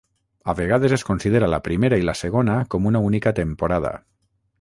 A vegades es considera la primera i la segona com una única temporada.